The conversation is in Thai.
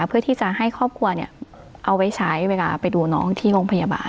เพื่อที่จะให้ครอบครัวเอาไว้ใช้เวลาไปดูน้องที่โรงพยาบาล